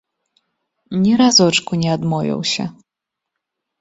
Ні разочку не адмовіўся.